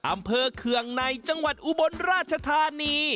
อำเภอเคืองในจังหวัดอุบรรณราชธานี